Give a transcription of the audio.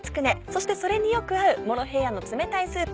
そしてそれによく合う「モロヘイヤの冷たいスープ」。